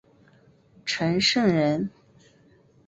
陈胜人。